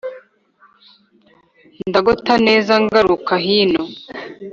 Ndagota neza ngaruka hino,